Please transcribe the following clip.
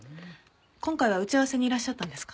今回は打ち合わせにいらっしゃったんですか？